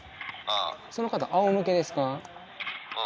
その方あおむけですか？